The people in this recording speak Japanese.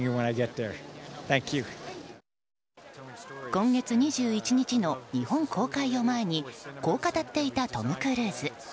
今月２１日の日本公開を前にこう語っていたトム・クルーズ。